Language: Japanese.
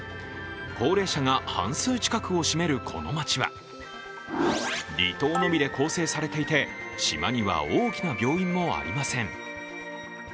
高齢者が半数近くを占めるこの町は離島のみで構成されていて島には大きな病院もありません。